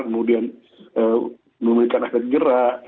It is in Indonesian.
kemudian memberikan aset jerak